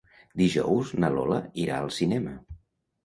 Dijous na Lola irà al cinema.